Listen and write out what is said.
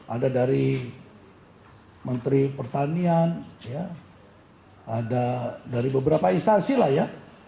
ada dari menteri pertanian ada dari beberapa instasi lah ya